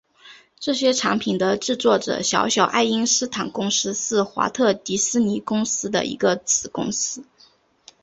这些产品的制作者小小爱因斯坦公司是华特迪士尼公司的一个子公司。